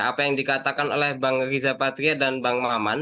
apa yang dikatakan oleh bang riza patria dan bang maman